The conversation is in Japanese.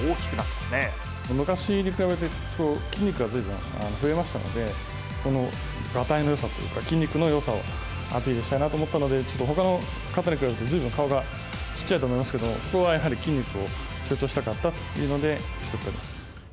昔に比べて、筋肉がずいぶん増えましたので、このがたいのよさっていうか、筋肉のよさをアピールしたいなと思ったので、ちょっとほかの方に比べて、ずいぶん顔が小さいと思いますけど、そこはやはり筋肉を強調したかったというので、作っております。